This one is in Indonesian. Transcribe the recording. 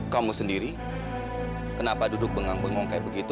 kamu sendiri kenapa duduk bengang bengong kayak begitu